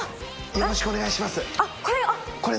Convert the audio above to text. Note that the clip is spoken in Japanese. よろしくお願いします。